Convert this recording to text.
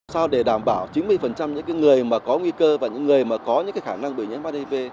sau để đảm bảo chín mươi những người có nguy cơ và những người có khả năng đổi nhiễm hiv